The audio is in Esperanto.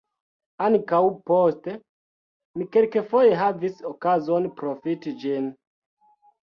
Ankaŭ poste mi kelkfoje havis okazon profiti ĝin.